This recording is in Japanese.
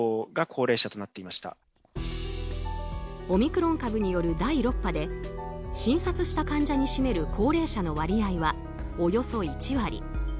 オミクロン株による第６波で診察した患者に占める高齢者の割合はおよそ１割。